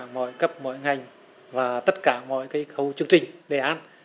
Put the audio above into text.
nghệ an và tất cả mọi cái khâu chương trình đề án